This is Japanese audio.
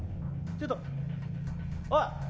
ちょっとおい！